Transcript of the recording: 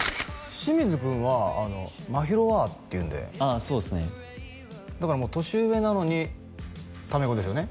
清水くんは「真宙は」って言うんでああそうですねだからもう年上なのにタメ語ですよね？